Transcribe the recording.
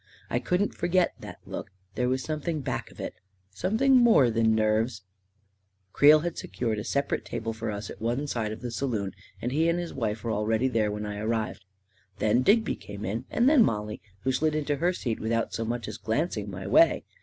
I couldn't forget that look — there was something back of it — something more than nerves ... Creel had secured a separate table for us at one side of the saloon, and he and his wife were already there when I arrived. Then Digby came in, and then Mollie, who slid into her seat without so much as glancing my way.